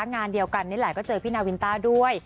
งานเดียวกันนี่แหละก็เจอพี่นาวินต้าด้วย